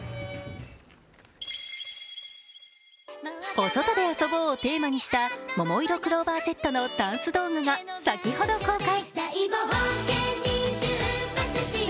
「おそとであそぼう」をテーマにしたももいろクローバーＺのダンス動画が、先ほど公開。